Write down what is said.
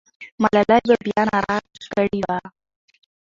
ملالۍ به بیا ناره کړې وه.